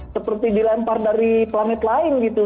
seperti dilempar dari planet lain gitu